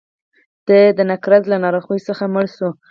دی د نقرس له ناروغۍ څخه مړ شو.